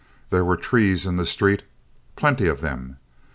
There were trees in the street—plenty of them.